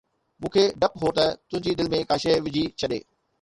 مون کي ڊپ هو ته هو تنهنجي دل ۾ ڪا شيءِ وجهي ڇڏي